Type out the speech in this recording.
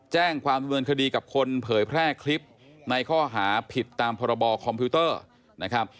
แจ้งความดำเนินคดีกับคนเผยแพร่คลิปในข้อหาผิดตามพรบคอมพิวเตอร์นะครับ